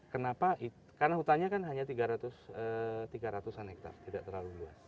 kenapa karena hutannya kan hanya tiga ratus an hektare tidak terlalu luas